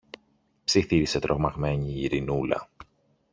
ψιθύρισε τρομαγμένη η Ειρηνούλα.